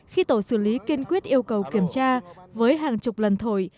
khi tổ xử lý kiên quyết yêu cầu kiểm tra với hàng chục lần thổi